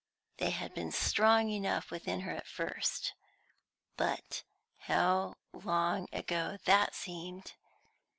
They had been strong enough within her at first, but how long ago that seemed!